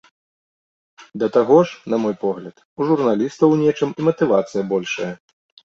Да таго ж, на мой погляд, у журналістаў у нечым і матывацыя большая.